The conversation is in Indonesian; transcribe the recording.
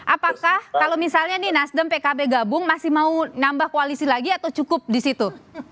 apakah kalau misalnya nih nasdem pkb gabung masih mau nambah koalisi lagi atau cukup di situ